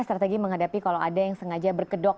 strategi menghadapi kalau ada yang sengaja berkedok